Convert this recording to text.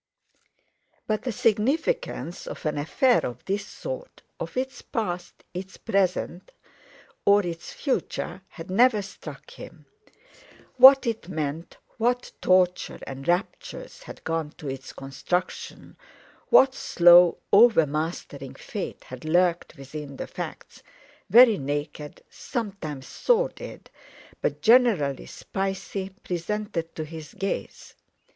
But the significance of an affair of this sort—of its past, its present, or its future—had never struck him. What it meant, what torture and raptures had gone to its construction, what slow, overmastering fate had lurked within the facts, very naked, sometimes sordid, but generally spicy, presented to his gaze.